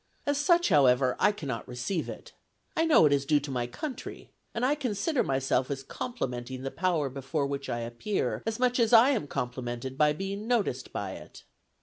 As such, however, I cannot receive it. I know it is due to my country, and I consider myself as complimenting the power before which I appear as much as I am complimented by being noticed by it.